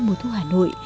mùa thu hà nội